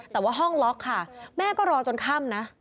แต่ว่าห้องล็อกค่ะแม่ก็รอจนค่ำนะ